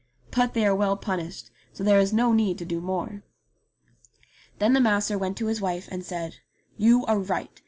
But they are well punished, so there is no need to do more." Then the master went to his wife and said, "You are right.